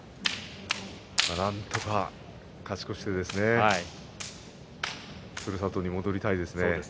なんとか勝ち越してふるさとに戻りたいですね。